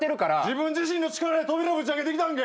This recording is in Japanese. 自分自身の力で扉ぶち開けてきたんけ？